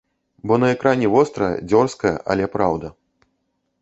Бо на экране вострая, дзёрзкая, але праўда.